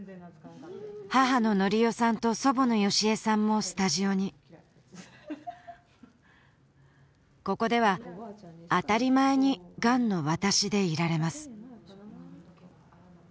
母の典代さんと祖母の善江さんもスタジオにここでは当たり前にがんの私でいられます